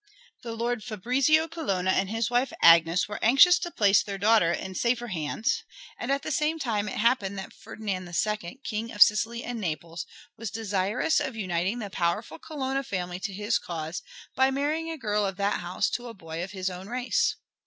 The Lord Fabrizio Colonna and his wife Agnes were anxious to place their daughter in safer hands, and at the same time it happened that Ferdinand II, King of Sicily and Naples, was desirous of uniting the powerful Colonna family to his cause by marrying a girl of that house to a boy of his own race.